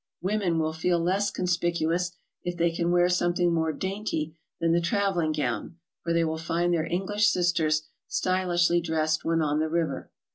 Women will feel less conspicu ous if they can wear something more dainty than the travel ing gown, for they will find their English sisters stylishly dressed when on 'the river.